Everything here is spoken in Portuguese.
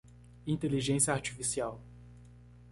Inteligência Artificial.